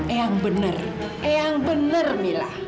eang benar eang benar mila